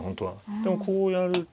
でもこうやると。